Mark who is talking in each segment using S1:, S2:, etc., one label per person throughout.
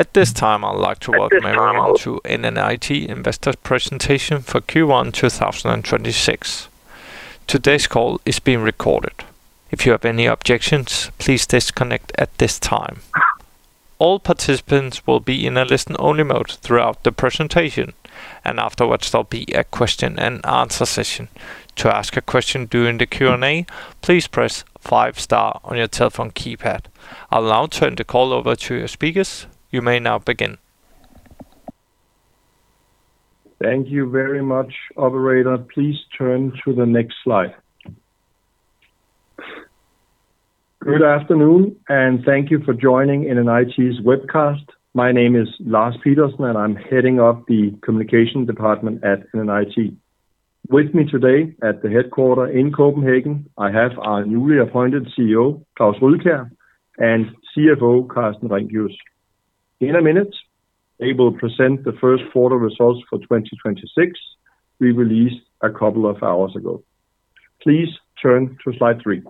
S1: At this time, I would like to welcome everyone to NNIT Investor Presentation for Q1 2026. Today's call is being recorded. If you have any objections, please disconnect at this time. All participants will be in a listen-only mode throughout the presentation, and afterwards there'll be a question and answer session. To ask a question during the Q&A, please press five star on your telephone keypad. I'll now turn the call over to your speakers. You may now begin.
S2: Thank you very much, operator. Please turn to the next slide. Good afternoon, and thank you for joining NNIT's webcast. My name is Lars Petersen, and I'm heading up the communication department at NNIT. With me today at the headquarter in Copenhagen, I have our newly appointed CEO, Claus Rydkjær, and CFO, Carsten Ringius. In a minute, they will present the first quarter results for 2026 we released a couple of hours ago. Please turn to slide three.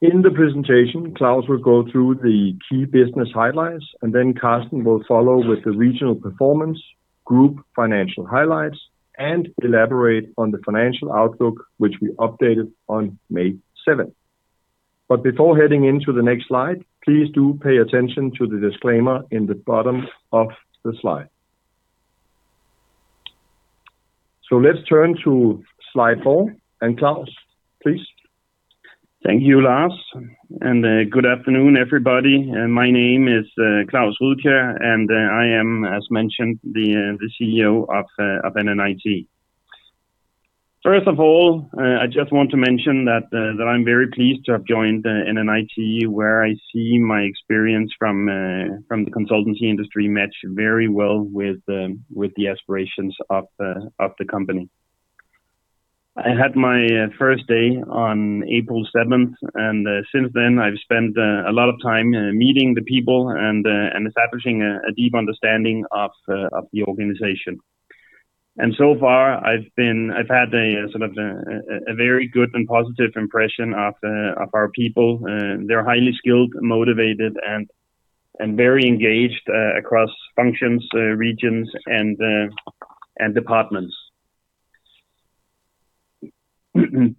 S2: In the presentation, Claus will go through the key business highlights, and then Carsten will follow with the regional performance, group financial highlights, and elaborate on the financial outlook, which we updated on May 7. Before heading into the next slide, please do pay attention to the disclaimer in the bottom of the slide. Let's turn to slide four. Claus, please.
S3: Thank you, Lars. Good afternoon, everybody. My name is Claus Rydkjær, and I am, as mentioned, the CEO of NNIT. First of all, I just want to mention that I'm very pleased to have joined NNIT, where I see my experience from the consultancy industry match very well with the aspirations of the company. I had my first day on April 7th, since then I've spent a lot of time meeting the people and establishing a deep understanding of the organization. So far I've had a sort of a very good and positive impression of our people. They're highly skilled, motivated, and very engaged across functions, regions, and departments.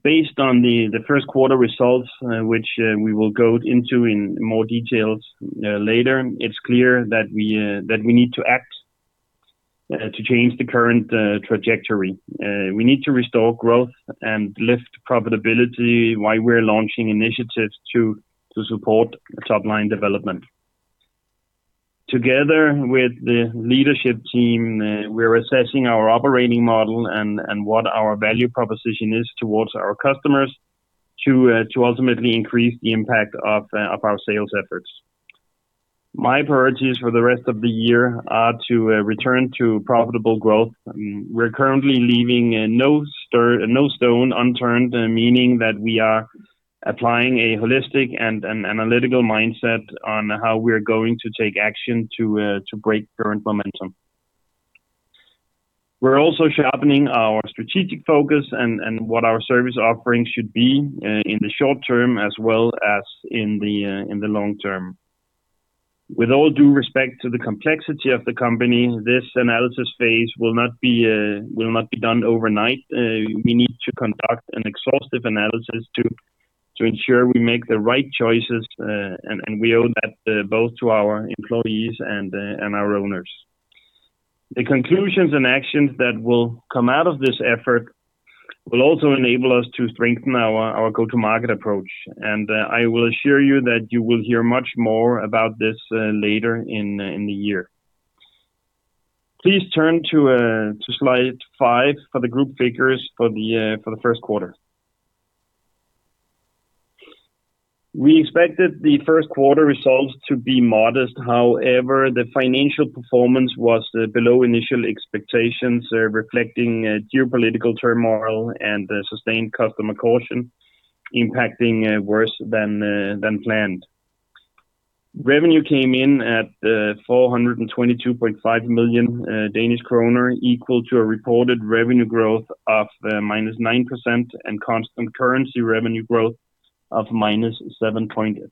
S3: Based on the first quarter results, which we will go into in more details later, it's clear that we need to act to change the current trajectory. We need to restore growth and lift profitability while we're launching initiatives to support top-line development. Together with the leadership team, we're assessing our operating model and what our value proposition is towards our customers to ultimately increase the impact of our sales efforts. My priorities for the rest of the year are to return to profitable growth. We're currently leaving no stone unturned, meaning that we are applying a holistic and analytical mindset on how we're going to take action to break current momentum. We're also sharpening our strategic focus and what our service offerings should be in the short term as well as in the long term. With all due respect to the complexity of the company, this analysis phase will not be done overnight. We need to conduct an exhaustive analysis to ensure we make the right choices. We owe that both to our employees and our owners. The conclusions and actions that will come out of this effort will also enable us to strengthen our go-to market approach. I will assure you that you will hear much more about this later in the year. Please turn to slide five for the group figures for the first quarter. We expected the first quarter results to be modest. However, the financial performance was below initial expectations, reflecting geopolitical turmoil and sustained customer caution impacting worse than planned. Revenue came in at 422.5 million Danish kroner, equal to a reported revenue growth of -9% and constant currency revenue growth of -7.3%.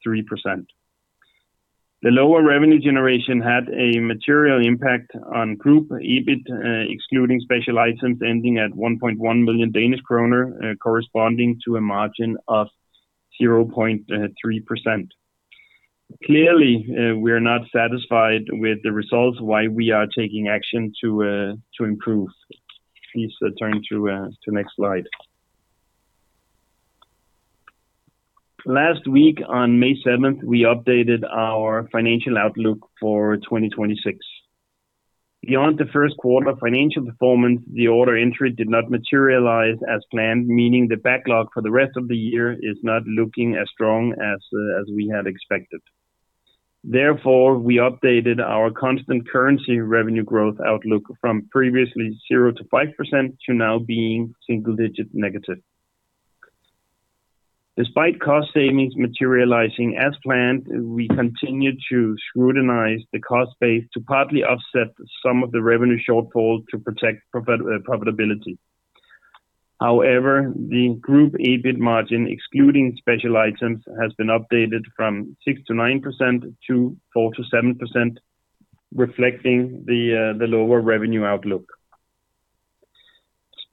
S3: The lower revenue generation had a material impact on group EBIT, excluding special items ending at 1.1 million Danish kroner, corresponding to a margin of 0.3%. Clearly, we're not satisfied with the results, why we are taking action to improve. Please turn to next slide. Last week on May 7th, we updated our financial outlook for 2026. Beyond the first quarter financial performance, the order entry did not materialize as planned, meaning the backlog for the rest of the year is not looking as strong as we had expected. Therefore, we updated our constant currency revenue growth outlook from previously 0%-5% to now being single-digit negative. Despite cost savings materializing as planned, we continue to scrutinize the cost base to partly offset some of the revenue shortfall to protect profitability. However, the group EBIT margin, excluding special items, has been updated from 6%-9% to 4%-7%, reflecting the lower revenue outlook.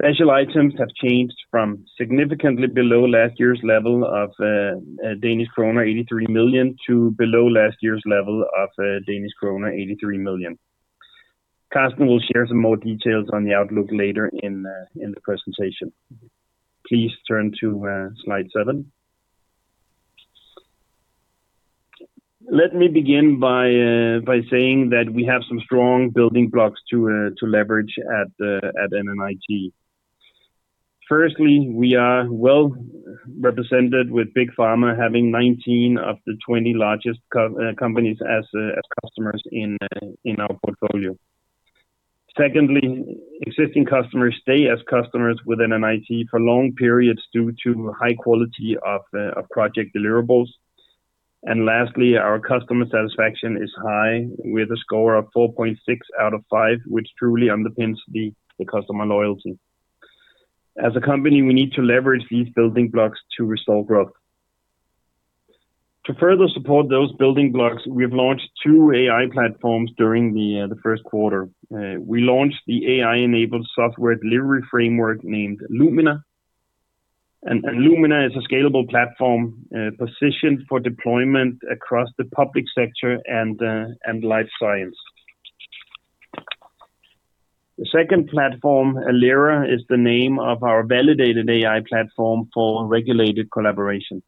S3: Special items have changed from significantly below last year's level of Danish krone 83 million to below last year's level of Danish krone 83 million. Carsten will share some more details on the outlook later in the presentation. Please turn to slide seven. Let me begin by saying that we have some strong building blocks to leverage at NNIT. Firstly, we are well represented with big pharma, having 19 of the 20 largest companies as customers in our portfolio. Secondly, existing customers stay as customers with NNIT for long periods due to high quality of project deliverables. Lastly, our customer satisfaction is high, with a score of 4.6 out of five, which truly underpins the customer loyalty. As a company, we need to leverage these building blocks to restore growth. To further support those building blocks, we have launched two AI platforms during the first quarter. We launched the AI-enabled software delivery framework named Lumina. Lumina is a scalable platform, positioned for deployment across the public sector and life science. The second platform, Alera, is the name of our validated AI platform for regulated collaboration.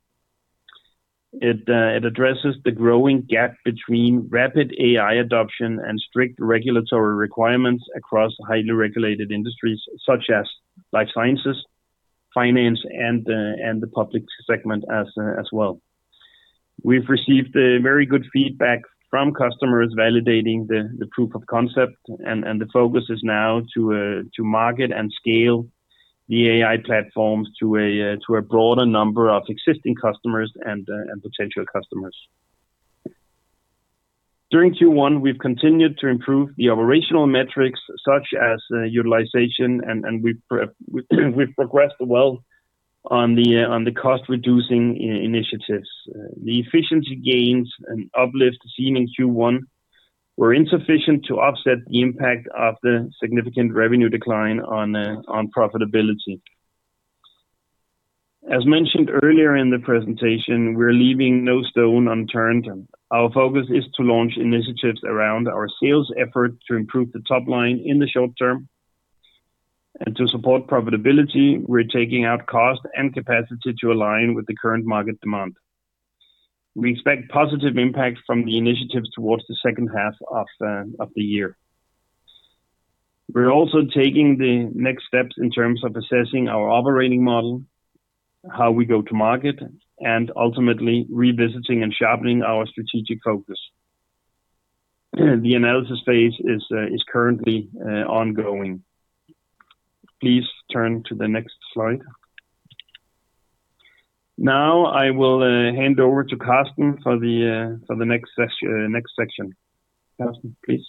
S3: It addresses the growing gap between rapid AI adoption and strict regulatory requirements across highly regulated industries such as life sciences, finance, and the public segment as well. We've received very good feedback from customers validating the proof of concept and the focus is now to market and scale the AI platforms to a broader number of existing customers and potential customers. During Q1, we've continued to improve the operational metrics such as utilization, and we've progressed well on the cost-reducing initiatives. The efficiency gains and uplift seen in Q1 were insufficient to offset the impact of the significant revenue decline on profitability. As mentioned earlier in the presentation, we're leaving no stone unturned. Our focus is to launch initiatives around our sales effort to improve the top line in the short term. To support profitability, we're taking out cost and capacity to align with the current market demand. We expect positive impact from the initiatives towards the second half of the year. We're also taking the next steps in terms of assessing our operating model, how we go to market, and ultimately revisiting and sharpening our strategic focus. The analysis phase is currently ongoing. Please turn to the next slide. Now I will hand over to Carsten for the next section. Carsten, please.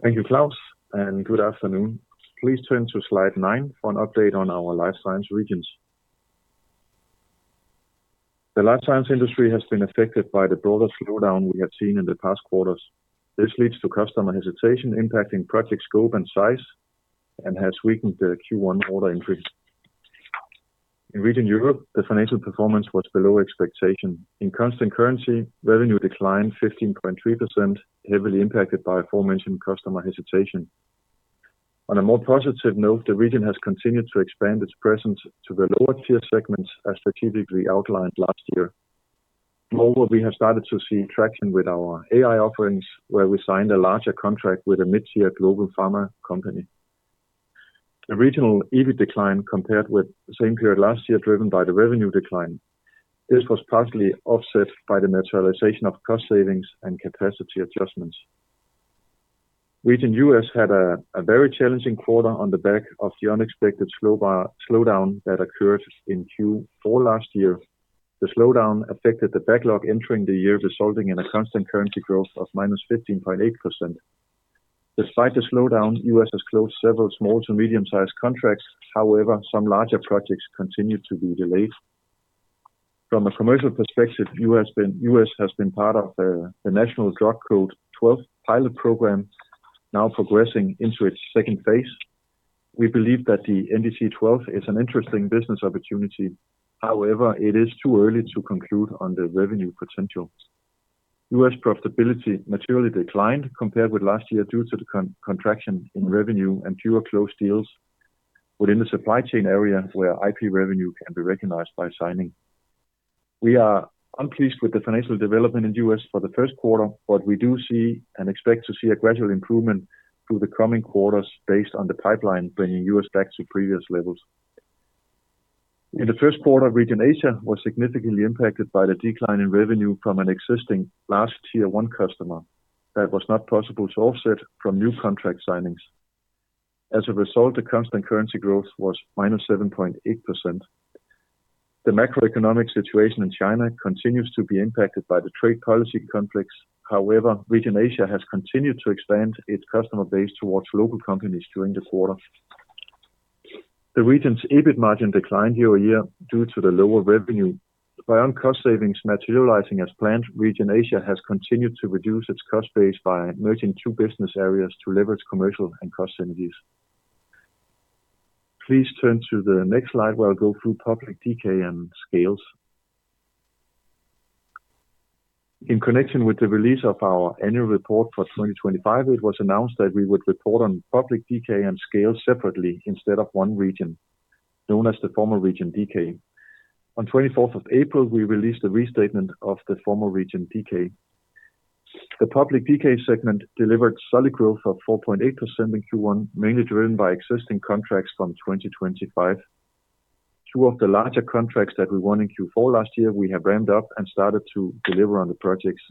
S4: Thank you, Claus, and good afternoon. Please turn to slide nine for an update on our life science regions. The life science industry has been affected by the broader slowdown we have seen in the past quarters. This leads to customer hesitation impacting project scope and size, and has weakened the Q1 order increase. In Region Europe, the financial performance was below expectation. In constant currency, revenue declined 15.3%, heavily impacted by aforementioned customer hesitation. On a more positive note, the region has continued to expand its presence to the lower tier segments as strategically outlined last year. Moreover, we have started to see traction with our AI offerings, where we signed a larger contract with a mid-tier global pharma company. The regional EBIT decline compared with the same period last year driven by the revenue decline. This was partially offset by the naturalization of cost savings and capacity adjustments. Region U.S. had a very challenging quarter on the back of the unexpected slowdown that occurred in Q4 last year. The slowdown affected the backlog entering the year, resulting in a constant currency growth of -15.8%. Despite the slowdown, U.S. has closed several small-to-medium-sized contracts. Some larger projects continue to be delayed. From a commercial perspective, U.S. has been part of the National Drug Code pilot program, now progressing into its second phase. We believe that the NDC-12 is an interesting business opportunity. It is too early to conclude on the revenue potential. U.S. profitability materially declined compared with last year due to the contraction in revenue and fewer closed deals within the supply chain area where IP revenue can be recognized by signing. We are unpleased with the financial development in U.S. for the first quarter, but we do see and expect to see a gradual improvement through the coming quarters based on the pipeline bringing U.S. back to previous levels. In the first quarter, Region Asia was significantly impacted by the decline in revenue from an existing large tier one customer that was not possible to offset from new contract signings. As a result, the constant currency growth was -7.8%. The macroeconomic situation in China continues to be impacted by the trade policy conflicts. However, Region Asia has continued to expand its customer base towards local companies during the quarter. The region's EBIT margin declined year-over-year due to the lower revenue. By on cost savings materializing as planned, Region Asia has continued to reduce its cost base by merging two business areas to leverage commercial and cost synergies. Please turn to the next slide, where I'll go through Public DK and SCALES. In connection with the release of our annual report for 2025, it was announced that we would report on Public DK and SCALES separately instead of one region, known as the former Region DK. On April 24th, we released a restatement of the former Region DK. The Public DK segment delivered solid growth of 4.8% in Q1, mainly driven by existing contracts from 2025. Two of the larger contracts that we won in Q4 last year, we have ramped up and started to deliver on the projects.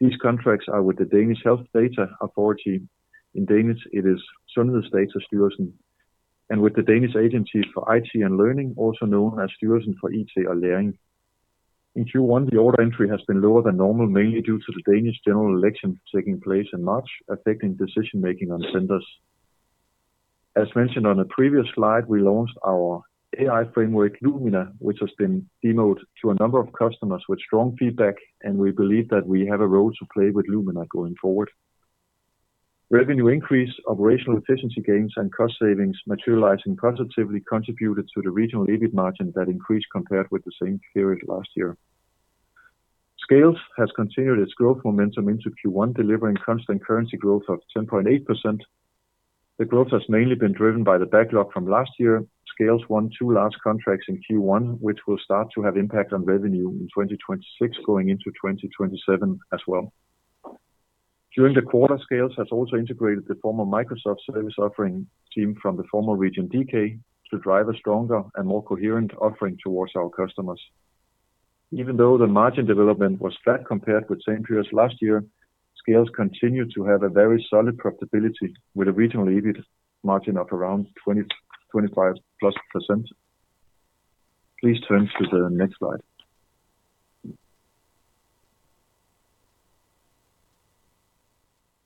S4: These contracts are with the Danish Health Data Authority. In Danish, it is Sundhedsdatastyrelsen, and with the Danish Agency for IT and Learning, also known as Styrelsen for It og Læring. In Q1, the order entry has been lower than normal, mainly due to the Danish general election taking place in March, affecting decision-making on tenders. As mentioned on a previous slide, we launched our AI framework, Lumina, which has been demoed to a number of customers with strong feedback, and we believe that we have a role to play with Lumina going forward. Revenue increase, operational efficiency gains, and cost savings materializing positively contributed to the regional EBIT margin that increased compared with the same period last year. SCALES has continued its growth momentum into Q1, delivering constant currency growth of 10.8%. The growth has mainly been driven by the backlog from last year. SCALES won two large contracts in Q1, which will start to have impact on revenue in 2026, going into 2027 as well. During the quarter, SCALES has also integrated the former Microsoft service offering team from the former Region DK to drive a stronger and more coherent offering towards our customers. Even though the margin development was flat compared with same period last year, SCALES continued to have a very solid profitability with a regional EBIT margin of around 20%-25%+. Please turn to the next slide.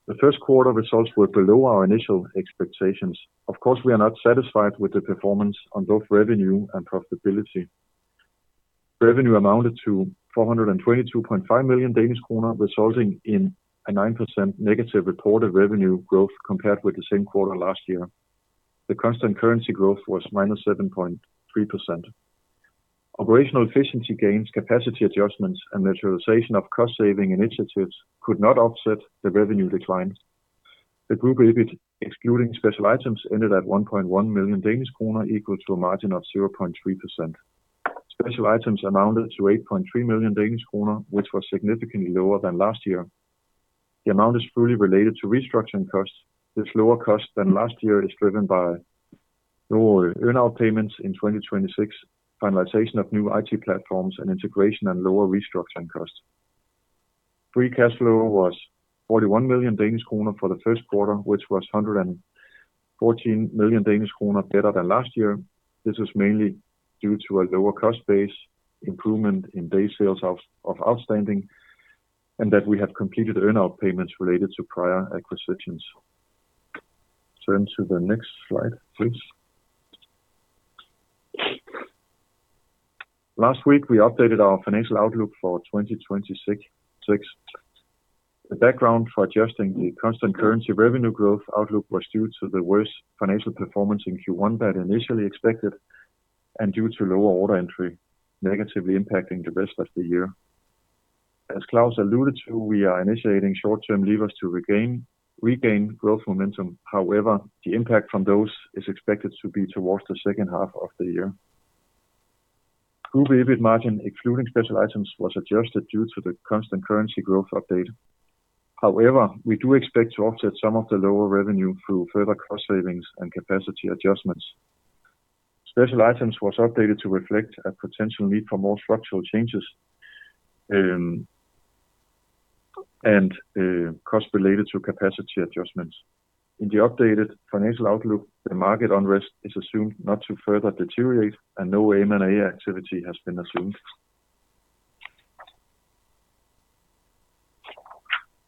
S4: The first quarter results were below our initial expectations. Of course, we are not satisfied with the performance on both revenue and profitability. Revenue amounted to 422.5 million Danish kroner, resulting in a 9% negative reported revenue growth compared with the same quarter last year. The constant currency growth was -7.3%. Operational efficiency gains, capacity adjustments, and materialization of cost-saving initiatives could not offset the revenue declines. The group EBIT, excluding special items, ended at 1.1 million Danish kroner, equal to a margin of 0.3%. Special items amounted to 8.3 million Danish kroner, which was significantly lower than last year. The amount is fully related to restructuring costs. This lower cost than last year is driven by lower earn-out payments in 2026, finalization of new IT platforms, and integration and lower restructuring costs. Free cash flow was 41 million Danish kroner for the first quarter, which was 114 million Danish kroner better than last year. This is mainly due to a lower cost base, improvement in days sales of outstanding and that we have completed earn-out payments related to prior acquisitions. Turn to the next slide, please. Last week, we updated our financial outlook for 2026. The background for adjusting the constant currency revenue growth outlook was due to the worse financial performance in Q1 than initially expected and due to lower order entry negatively impacting the rest of the year. As Claus alluded to, we are initiating short-term levers to regain growth momentum. The impact from those is expected to be towards the second half of the year. Group EBIT margin, excluding special items, was adjusted due to the constant currency growth update. However, we do expect to offset some of the lower revenue through further cost savings and capacity adjustments. Special items was updated to reflect a potential need for more structural changes and costs related to capacity adjustments. In the updated financial outlook, the market unrest is assumed not to further deteriorate, and no M&A activity has been assumed.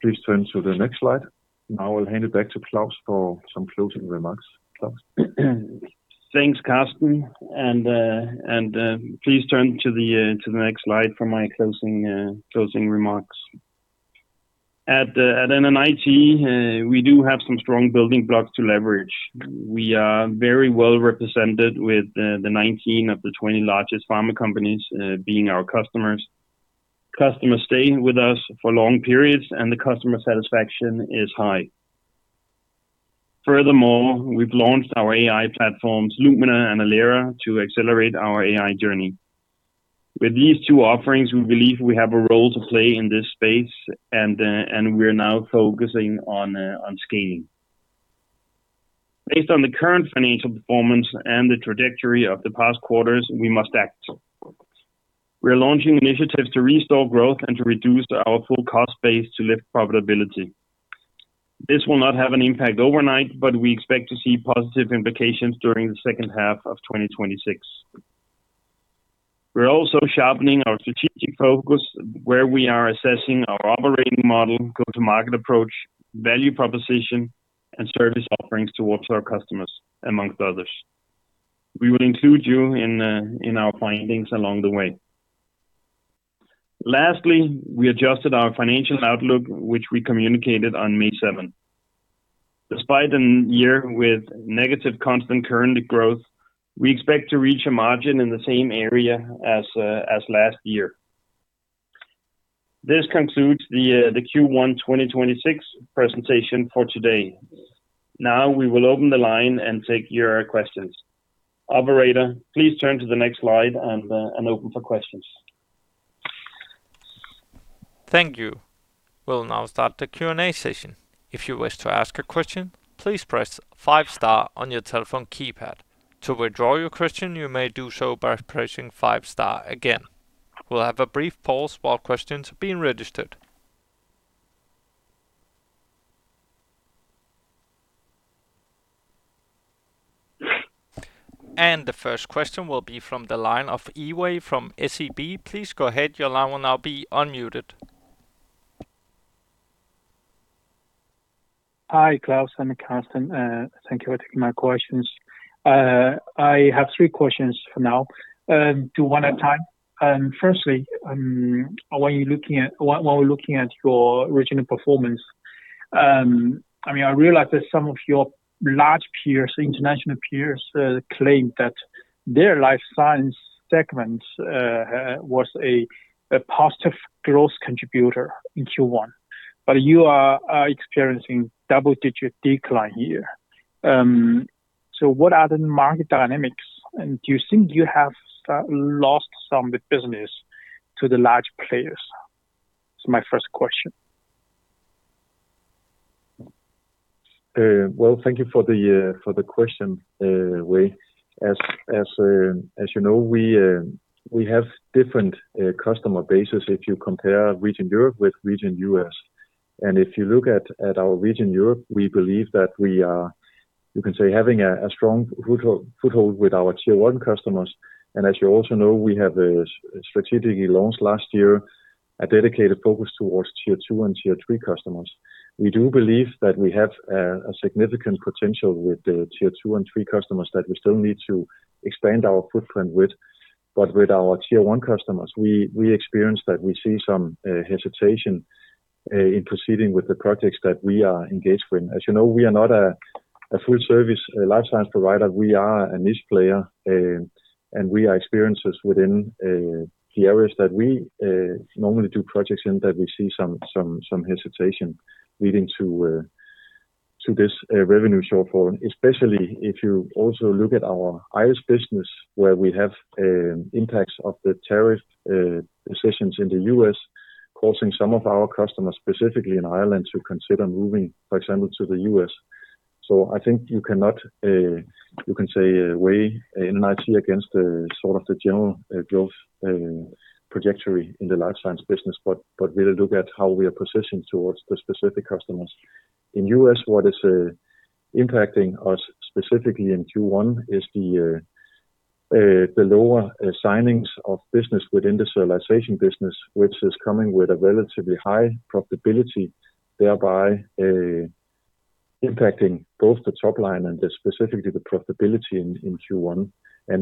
S4: Please turn to the next slide. Now I will hand it back to Claus for some closing remarks. Claus?
S3: Thanks, Carsten. Please turn to the next slide for my closing remarks. At NNIT, we do have some strong building blocks to leverage. We are very well represented with the 19 of the 20 largest pharma companies being our customers. Customers stay with us for long periods, and the customer satisfaction is high. Furthermore, we've launched our AI platforms, Lumina and Alera, to accelerate our AI journey. With these two offerings, we believe we have a role to play in this space and we're now focusing on scaling. Based on the current financial performance and the trajectory of the past quarters, we must act. We are launching initiatives to restore growth and to reduce our full cost base to lift profitability. This will not have an impact overnight, but we expect to see positive implications during the second half of 2026. We're also sharpening our strategic focus where we are assessing our operating model, go-to-market approach, value proposition, and service offerings towards our customers, amongst others. We will include you in our findings along the way. Lastly, we adjusted our financial outlook, which we communicated on May 7th. Despite a year with negative constant current growth, we expect to reach a margin in the same area as last year. This concludes the Q1 2026 presentation for today. We will open the line and take your questions. Operator, please turn to the next slide and open for questions.
S1: Thank you. We'll now start the Q&A session. If you wish to ask a question, please press five star on your telephone keypad. To withdraw your question, you may do so by pressing five star again. We'll have a brief pause while questions are being registered. The first question will be from the line of Yiwei from SEB. Please go ahead. Your line will now be unmuted.
S5: Hi, Claus and Carsten. Thank you for taking my questions. I have three questions for now, do one at a time. Firstly, when we're looking at your regional performance, I mean, I realize that some of your large peers, international peers, claim that their Life Sciences segment was a positive growth contributor in Q1, but you are experiencing double-digit decline here. What are the market dynamics, and do you think you have lost some of the business to the large players? It's my first question.
S4: Well, thank you for the question, Yiwei. As you know, we have different customer bases if you compare Region Europe with Region U.S.. If you look at our Region Europe, we believe that we are, you can say, having a strong foothold with our tier one customers. As you also know, we have strategically launched last year a dedicated focus towards tier two and tier three customers. We do believe that we have a significant potential with the tier two and three customers that we still need to expand our footprint with. With our tier one customers, we experience that we see some hesitation in proceeding with the projects that we are engaged with. As you know, we are not a full service Life Sciences provider. We are a niche player, and we are experiences within the areas that we normally do projects in that we see some hesitation leading to this revenue shortfall. Especially if you also look at our Irish business, where we have impacts of the tariff decisions in the U.S. causing some of our customers, specifically in Ireland, to consider moving, for example, to the U.S. I think you cannot, you can say weigh NNIT against the sort of the general growth trajectory in the life science business. We'll look at how we are positioned towards the specific customers. In U.S., what is impacting us specifically in Q1 is the lower signings of business within the serialization business, which is coming with a relatively high profitability, thereby impacting both the top line and specifically the profitability in Q1.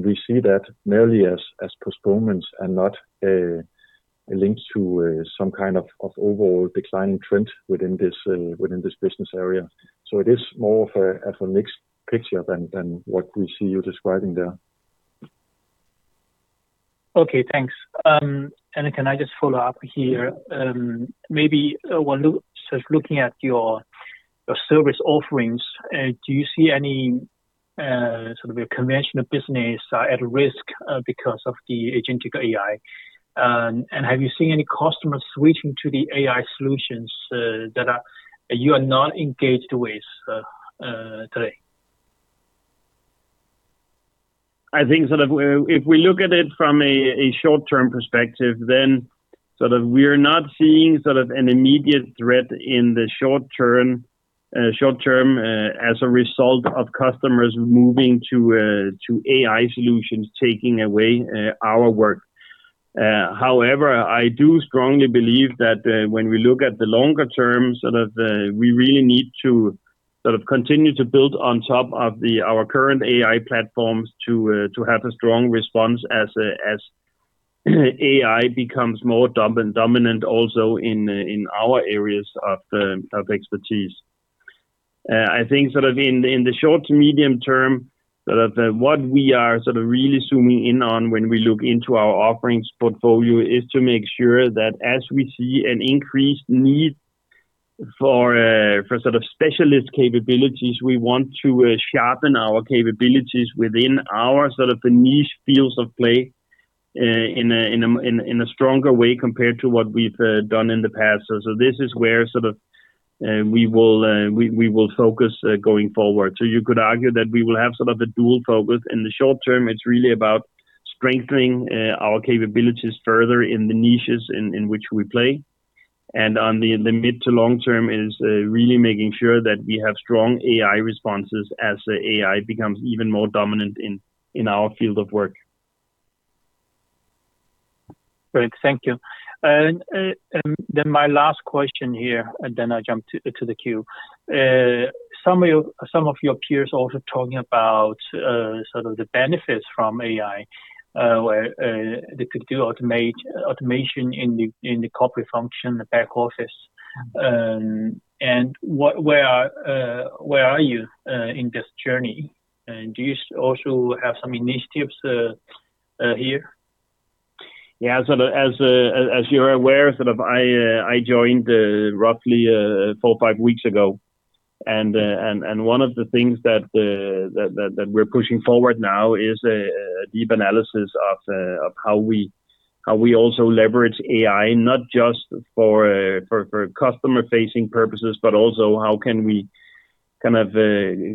S4: We see that merely as postponements and not a link to some kind of overall declining trend within this business area. It is more of a mixed picture than what we see you describing there.
S5: Okay. Thanks. Can I just follow up here? Maybe, looking at your service offerings, do you see any, sort of your conventional business are at risk, because of the agentic AI? Have you seen any customers switching to the AI solutions that you are not engaged with today?
S3: I think sort of, if we look at it from a short-term perspective, then sort of we're not seeing sort of an immediate threat in the short term, as a result of customers moving to AI solutions, taking away our work. However, I do strongly believe that, when we look at the longer term, sort of, we really need to sort of continue to build on top of our current AI platforms to have a strong response as AI becomes more dominant also in our areas of expertise. I think sort of in the short to medium term, sort of, what we are sort of really zooming in on when we look into our offerings portfolio is to make sure that as we see an increased need for sort of specialist capabilities, we want to, sharpen our capabilities within our sort of the niche fields of play, in a stronger way compared to what we've, done in the past. This is where sort of, we will focus, going forward. You could argue that we will have sort of a dual focus. In the short term, it's really about strengthening, our capabilities further in the niches in which we play. On the mid to long term is really making sure that we have strong AI responses as AI becomes even more dominant in our field of work.
S5: Great. Thank you. My last question here, then I jump to the queue. Some of your peers also talking about sort of the benefits from AI, where they could do automation in the corporate function, the back office. Where are you in this journey? Do you also have some initiatives here?
S3: As you're aware, sort of I joined roughly four or five weeks ago. One of the things that we're pushing forward now is a deep analysis of how we also leverage AI, not just for customer-facing purposes, but also how can we kind of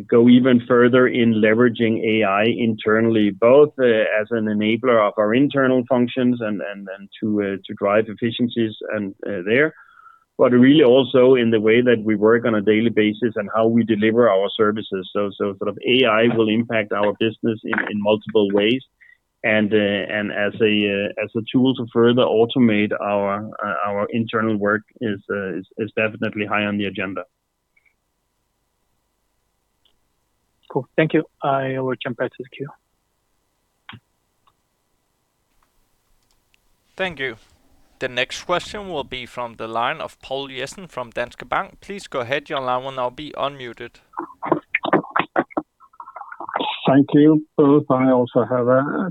S3: go even further in leveraging AI internally, both as an enabler of our internal functions and to drive efficiencies and there. Really also in the way that we work on a daily basis and how we deliver our services. Sort of AI will impact our business in multiple ways. As a tool to further automate our internal work is definitely high on the agenda.
S5: Cool. Thank you. I will jump back to the queue.
S1: Thank you. The next question will be from the line of Poul Jessen from Danske Bank.
S6: Thank you both. I also have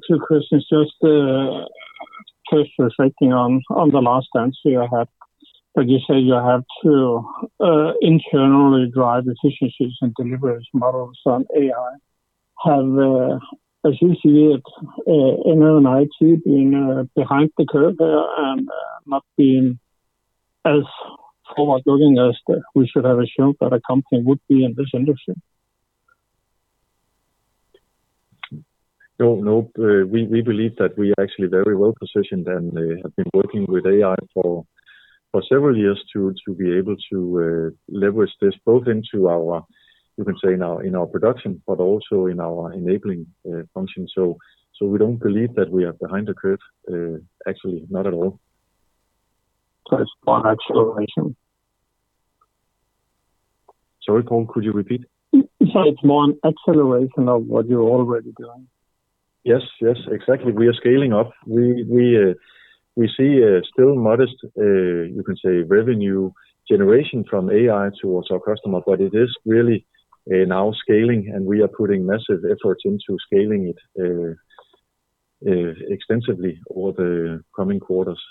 S6: two questions. Just first reflecting on the last answer you had. When you say you have to internally drive efficiencies and deliverance models on AI. Have, as you see it, NNIT being behind the curve there and not being as forward-looking as we should have assumed that a company would be in this industry?
S4: No, no. We believe that we are actually very well-positioned and have been working with AI for several years to be able to leverage this both into our, you can say now in our production, but also in our enabling function. We don't believe that we are behind the curve. Actually, not at all.
S6: It's more acceleration?
S4: Sorry, Poul, could you repeat?
S6: It's more an acceleration of what you're already doing?
S4: Yes. Yes. Exactly. We are scaling up. We see a still modest, you can say revenue generation from AI towards our customer, but it is really now scaling, and we are putting massive efforts into scaling it extensively over the coming quarters.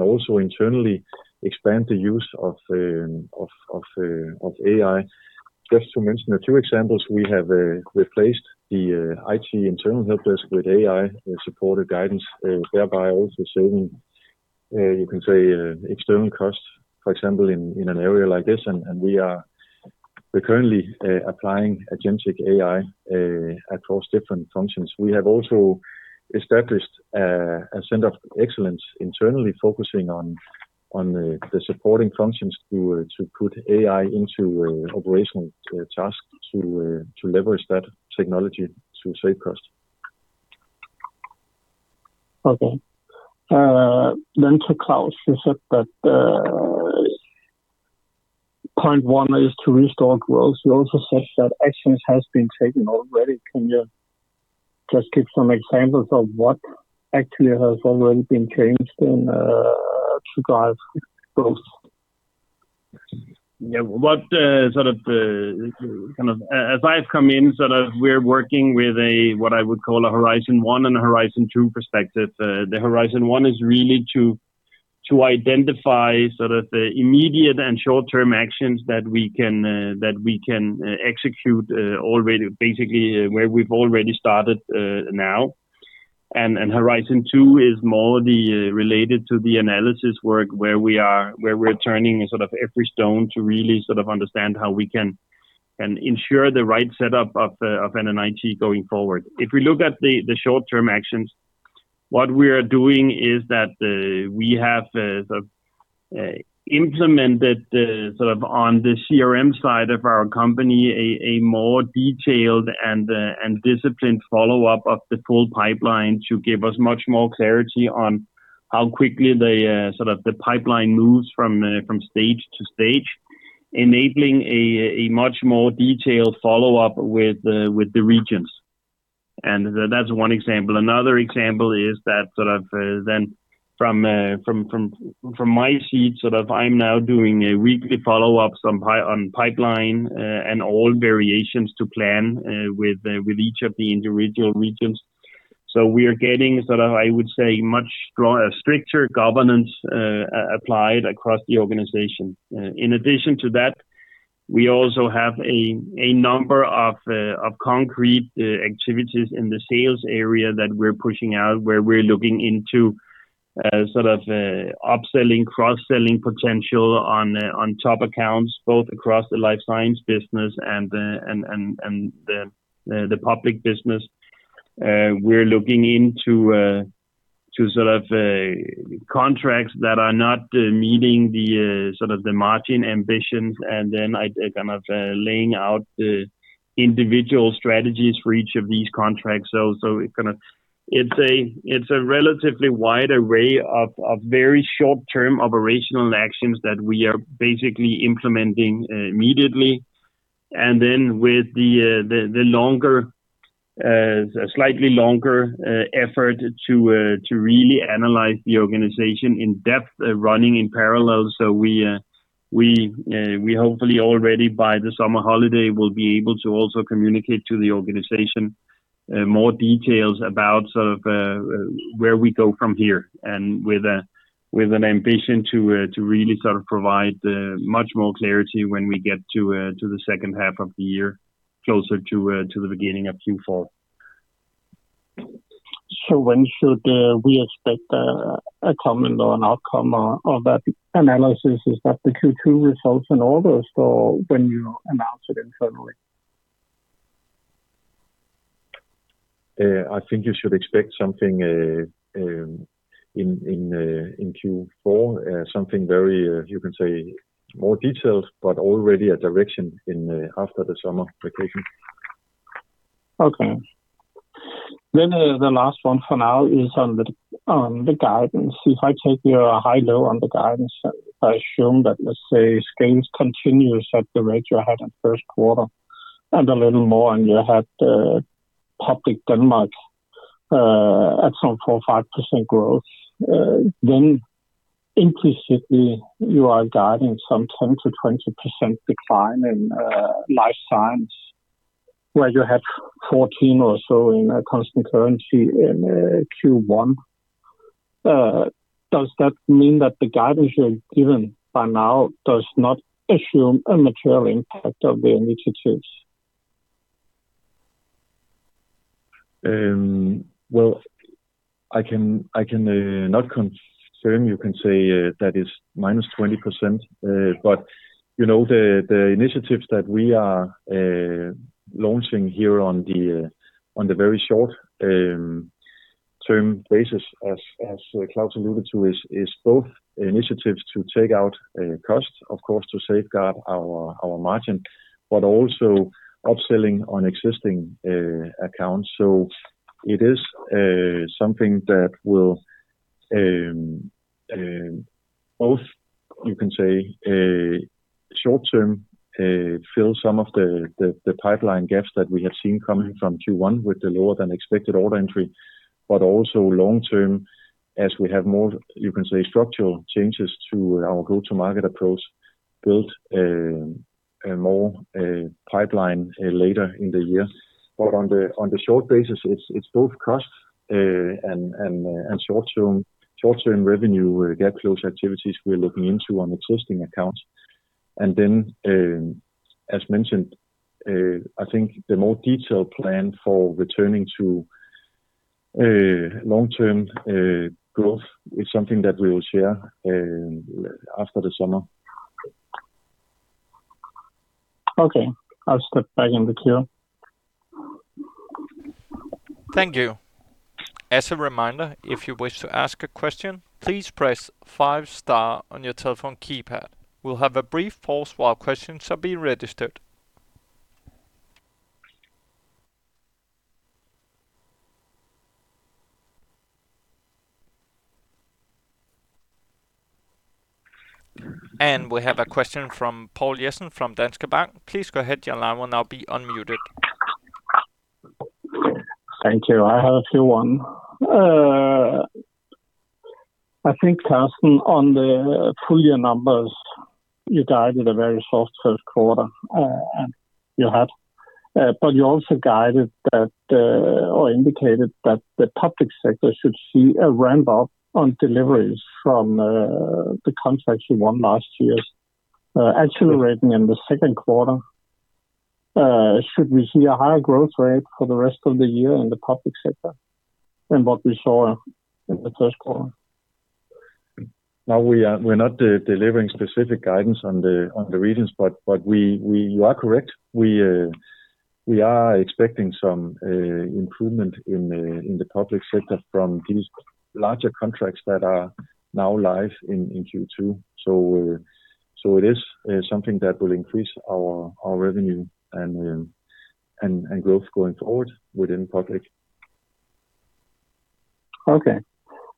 S4: Also internally expand the use of AI. Just to mention two examples, we have replaced the IT internal helpdesk with AI-supported guidance, thereby also saving, you can say, external costs, for example, in an area like this. We're currently applying agentic AI across different functions. We have also established a center of excellence internally focusing on the supporting functions to put AI into operational tasks to leverage that technology to save cost.
S6: Okay. Then to Claus. You said that point one is to restore growth. You also said that actions has been taken already. Can you just give some examples of what actually has already been changed and to drive growth?
S3: As I've come in, we're working with a, what I would call a horizon one and a horizon two perspective. The horizon one is really to identify the immediate and short-term actions that we can execute already where we've already started now. Horizon two is more related to the analysis work where we're turning every stone to really understand how we can ensure the right setup of NNIT going forward. If we look at the short-term actions, what we are doing is that, we have, sort of, implemented, sort of on the CRM side of our company a more detailed and disciplined follow-up of the full pipeline to give us much more clarity on how quickly the, sort of the pipeline moves from stage to stage, enabling a much more detailed follow-up with the, with the regions. That's one example. Another example is that sort of, then from my seat, sort of I'm now doing a weekly follow-ups on pipeline, and all variations to plan, with each of the individual regions. We are getting sort of, I would say, much stricter governance, applied across the organization. In addition to that, we also have a number of concrete activities in the sales area that we're pushing out, where we're looking into sort of upselling, cross-selling potential on top accounts, both across the life science business and the public business. We're looking into to sort of contracts that are not meeting the sort of the margin ambitions. Kind of laying out the individual strategies for each of these contracts. It kind of It's a relatively wide array of very short-term operational actions that we are basically implementing immediately. With the longer slightly longer effort to really analyze the organization in depth running in parallel. We hopefully already by the summer holiday will be able to also communicate to the organization, more details about sort of, where we go from here. With an ambition to really sort of provide much more clarity when we get to the second half of the year, closer to the beginning of Q4.
S6: When should we expect a comment or an outcome of that analysis? Is that the Q2 results and orders or when you announce it internally?
S4: I think you should expect something in Q4. Something very, you can say more detailed, but already a direction after the summer vacation.
S6: Okay. The last one for now is on the guidance. If I take your high-low on the guidance, I assume that, let's say, SCALES continues at the rate you had in first quarter and a little more, and you had Public Denmark at some 4%-5% growth. Implicitly you are guiding some 10%-20% decline in Life Sciences, where you had 14 or so in a constant currency in Q1. Does that mean that the guidance you have given by now does not assume a material impact of the initiatives?
S4: Well, I can, I can not confirm you can say that is -20%. You know, the initiatives that we are launching here on the very short term basis, as Claus alluded to, is both initiatives to take out costs, of course, to safeguard our margin, but also upselling on existing accounts. It is something that will both, you can say, short term, fill some of the pipeline gaps that we have seen coming from Q1 with the lower than expected order entry. Also long term, as we have more, you can say, structural changes to our go-to-market approach, build a more pipeline later in the year. On the short basis, it's both cost and short-term revenue gap close activities we're looking into on existing accounts. As mentioned, I think the more detailed plan for returning to long-term growth is something that we will share after the summer.
S6: Okay. I'll step back in the queue.
S1: Thank you. As a reminder, if you wish to ask a question, please press five star on your telephone keypad. We'll have a brief pause while questions are being registered. We have a question from Poul Jessen from Danske Bank. Please go ahead your line will now be unmuted.
S6: Thank you. I have a few one. I think, Carsten, on the full year numbers, you guided a very soft first quarter, and you had. You also guided that or indicated that the public sector should see a ramp up on deliveries from the contracts you won last year, accelerating in the second quarter. Should we see a higher growth rate for the rest of the year in the public sector than what we saw in the first quarter?
S4: We're not delivering specific guidance on the regions, we are correct. We are expecting some improvement in the public sector from these larger contracts that are now live in Q2. It is something that will increase our revenue and growth going forward within public.
S6: Okay.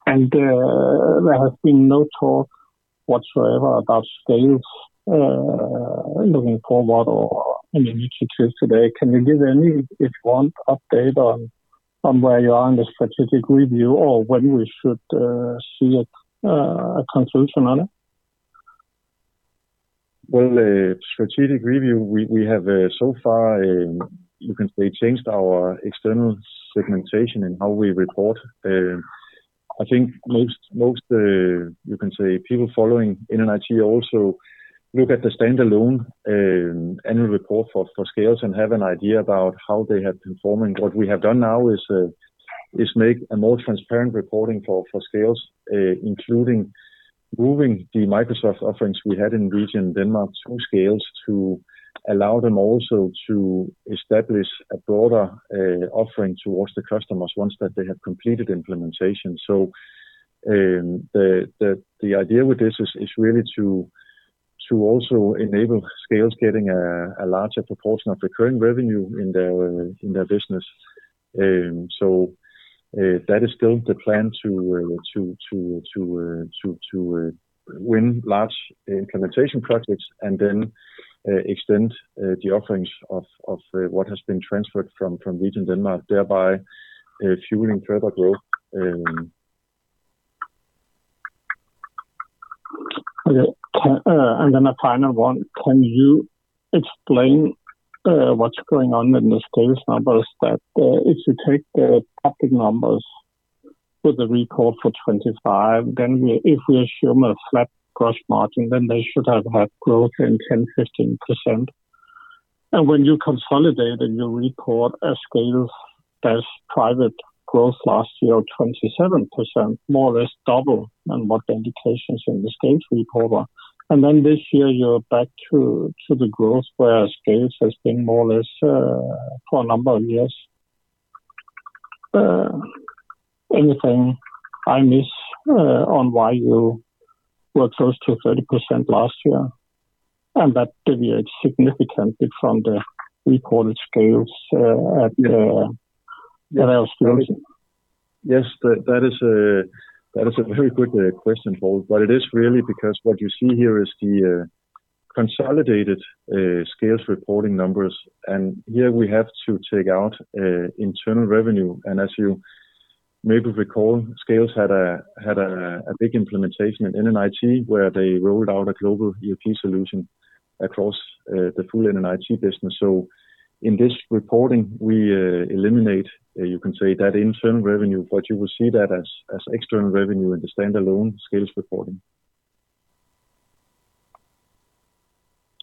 S6: There has been no talk whatsoever about SCALES, looking forward or any initiatives today. Can you give any, if you want, update on where you are in the strategic review or when we should see a conclusion on it?
S4: Strategic review, we have so far, you can say, changed our external segmentation and how we report. I think most, you can say, people following NNIT also look at the standalone annual report for SCALES and have an idea about how they have been performing. What we have done now is make a more transparent reporting for SCALES, including moving the Microsoft offerings we had in Region Denmark through SCALES to allow them also to establish a broader offering towards the customers once that they have completed implementation. The idea with this is really to also enable SCALES getting a larger proportion of recurring revenue in their business. That is still the plan to win large implementation projects and then extend the offerings of what has been transferred from Region Denmark, thereby fueling further growth.
S6: Okay. Can and then a final one. Can you explain what's going on in the SCALES numbers that if you take the public numbers with the report for 2025, then if we assume a flat gross margin, then they should have had growth in 10%-15%. When you consolidate and you report a SCALES as private growth last year of 27%, more or less double than what the indications in the SCALES report were. This year you're back to the growth where SCALES has been more or less for a number of years. Anything I miss on why you were close to 30% last year and that deviates significantly from the recorded SCALES, at the what else do you.
S4: Yes. That is a very good question, Poul. It is really because what you see here is the consolidated SCALES reporting numbers. Here we have to take out internal revenue. As you maybe recall, SCALES had a big implementation in NNIT, where they rolled out a global ERP solution across the full NNIT business. In this reporting, we eliminate, you can say, that internal revenue. You will see that as external revenue in the standalone SCALES reporting.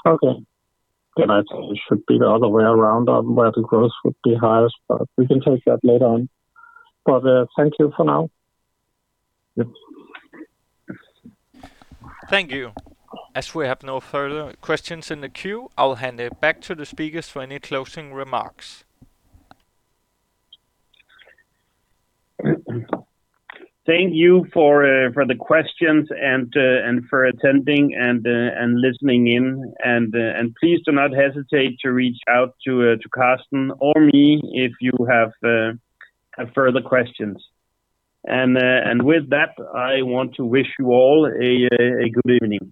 S6: Okay. I think it should be the other way around on where the growth would be highest. We can take that later on. Thank you for now.
S4: Yes.
S1: Thank you. As we have no further questions in the queue, I'll hand it back to the speakers for any closing remarks.
S3: Thank you for the questions and for attending and listening in. Please do not hesitate to reach out to Carsten or me if you have further questions. With that, I want to wish you all a good evening.